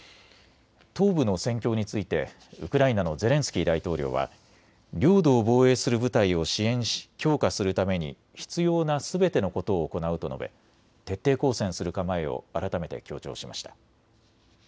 東部の戦況についてウクライナのゼレンスキー大統領は領土を防衛する部隊を支援し強化するために必要なすべてのことを行うと述べ、徹底抗戦する構えを改めて強調しました。